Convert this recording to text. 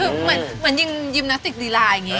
คือเหมือนยิมนาสติกลีลาอย่างนี้